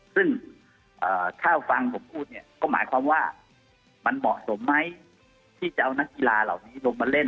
ซึ่งถ้าฟังผมพูดเนี่ยก็หมายความว่ามันเหมาะสมไหมที่จะเอานักกีฬาเหล่านี้ลงมาเล่น